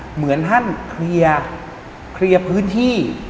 เหมือนท่านเคลียร์พื้นที่